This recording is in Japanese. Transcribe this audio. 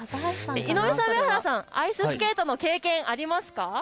井上さん、上原さん、アイススケートの経験、ありますか。